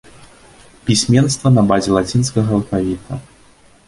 Пісьменства на базе лацінскага алфавіта.